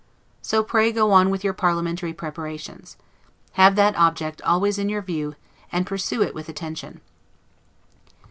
So pray go on with your parliamentary preparations. Have that object always in your view, and pursue it with attention.